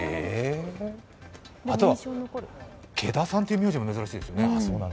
あとは、毛田さんという名字も珍しいですね。